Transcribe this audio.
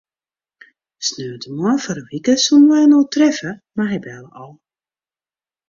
Sneontemoarn foar in wike soene wy inoar treffe, mar hy belle ôf.